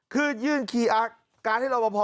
คือยื่นคีย์การ์ดที่รอบอพอ